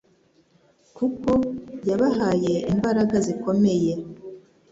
kuko yabahaye imbaraga zikomeye